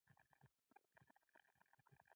کاپیسا ولې تر ټولو کوچنی ولایت دی؟